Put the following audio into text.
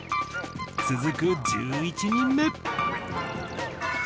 続く１１人目。